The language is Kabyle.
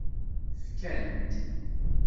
Fkan-t.